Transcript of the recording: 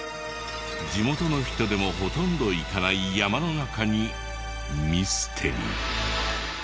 地元の人でもほとんど行かない山の中にミステリー。